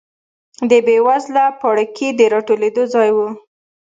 د بېوزله پاړکي د راټولېدو ځای و.